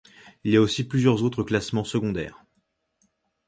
Il y a aussi plusieurs autres classements secondaires.